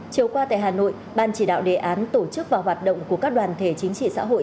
chiều qua tại hà nội ban chỉ đạo đề án tổ chức và hoạt động của các đoàn thể chính trị xã hội